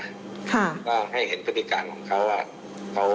ก็ให้เห็นพฤศจิกายนว่า